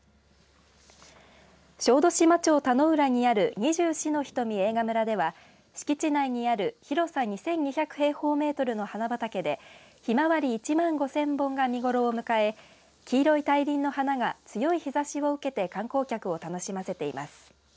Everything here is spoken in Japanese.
小豆島町田浦にある二十四の瞳映画村では敷地内にある広さ２２００平方メートルの花畑でひまわり１万５０００本が見頃を迎え黄色い大輪の花が強い日ざしを受けて観光客を楽しませています。